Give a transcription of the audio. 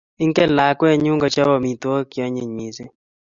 Ingen lakwenyu kochop amitwogik che anyiny mising